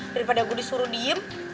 daripada gue disuruh diem